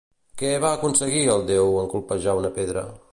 Què va aconseguir el déu en colpejar una pedra?